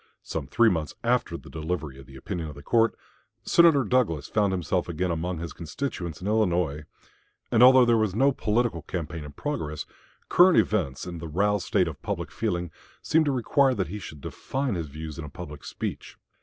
Some three months after the delivery of the opinion of the court, Senator Douglas found himself again among his constituents in Illinois, and although there was no political campaign in progress, current events and the roused state of public feeling seemed to require that he should define his views in a public speech.